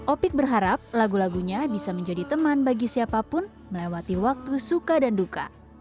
opik berharap lagu lagunya bisa menjadi teman bagi siapapun melewati waktu suka dan duka